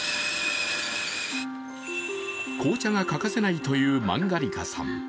紅茶が欠かせないというマンガリカさん。